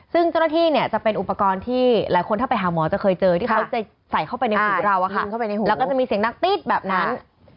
ซึ่งเจ้าหน้าที่เนี่ยจะเป็นอุปกรณ์ที่หลายคนถ้าไปหาหมอจะเคยเจอที่เขาจะใส่เข้าไปในหูเราอะค่ะแล้วก็จะมีเสียงนักตี๊ดแบบนั้น